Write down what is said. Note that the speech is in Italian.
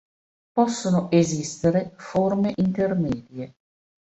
Possono esistere forme intermedie.